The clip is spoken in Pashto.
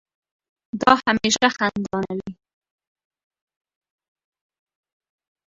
دا هميشه خندانه وي